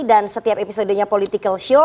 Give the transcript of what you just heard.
dan setiap episodenya political show